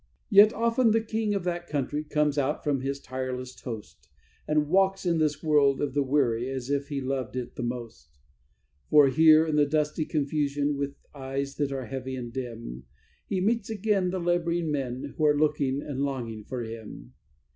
Yet often the King of that country comes out from His tireless host, And walks in this world of the weary as if He loved it the most; For here in the dusty confusion, with eyes that are heavy and dim, He meets again the labouring men who are looking and longing for Him.